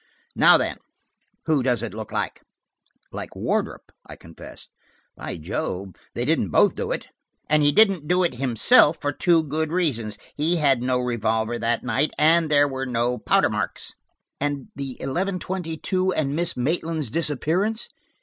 Now, then, who does it look like ?" "Like Wardrop," I confessed. "By Jove, they didn't both do it." "And he didn't do it himself for two good reasons: he had no revolver that night, and there were no powder marks." "And the eleven twenty two, and Miss Maitland's disappearance?"